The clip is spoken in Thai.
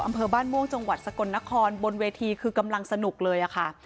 อำเภอบ้านม่วงจังหวัดสกลนครบนเวทีคือกำลังสนุกเลยค่ะ